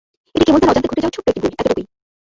এটা কেবল তার অজান্তে ঘটে যাওয়া একটি ছোট ভুল, এতটুকুই।